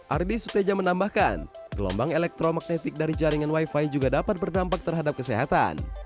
ardi suteja menambahkan gelombang elektromagnetik dari jaringan wifi juga dapat berdampak terhadap kesehatan